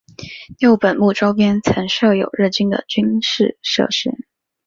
六本木周边曾设有日军的军事设施。